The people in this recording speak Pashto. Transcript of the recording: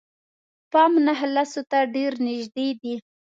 پام نهه لسو ته ډېر نژدې دي.